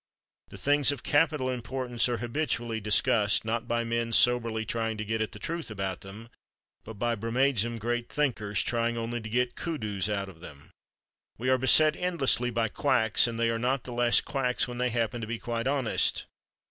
The things of capital importance are habitually discussed, not by men soberly trying to get at the truth about them, but by brummagem Great Thinkers trying only to get kudos out of them. We are beset endlessly by quacks—and they are not the less quacks when they happen to be quite honest.